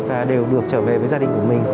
và đều được trở về với gia đình của mình